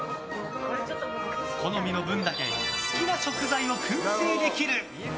好みの分だけ好きな食材を燻製できる。